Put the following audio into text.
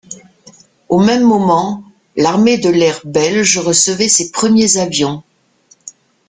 Au même moment, l'armée de l'air belge recevait ses premiers avions.